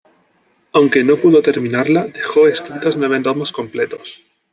Aunque no pudo terminarla dejó escritos nueve tomos completos.